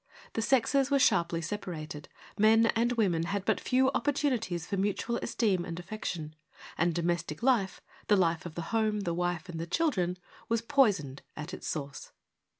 The sexes were sharply separated : men and women had but few opportunities for mutual esteem and affection, and domestic life — the life of the home, the wife and the children — was poisoned at its source.